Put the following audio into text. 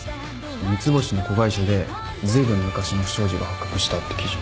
三ツ星の子会社でずいぶん昔の不祥事が発覚したって記事。